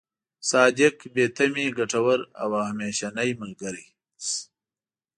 صادق، بې تمې، ګټور او همېشنۍ ملګری.